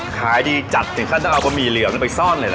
ขายดีจัดถึงขั้นต้องเอาบะหมี่เหลี่ยวไปซ่อนเลยนะ